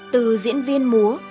từ diễn viên múa